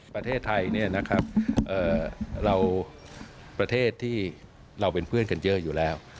ประเทศไทยเราประเทศที่เราเป็นเพื่อนกันเยอะอยู่แล้ว